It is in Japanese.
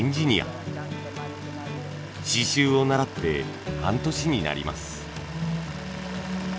刺繍を習って半年になります。